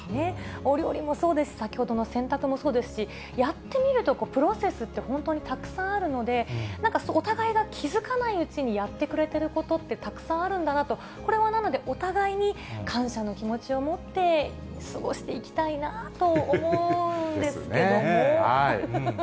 お料理もそうですし、先ほどの洗濯もそうですし、やってみるとプロセスって本当にたくさんあるので、なんかお互いが気付かないうちにやってくれてることってたくさんあるんだなと、これは、なのでお互いに、感謝の気持ちを持って過ごしていきたいなと思うんですけども。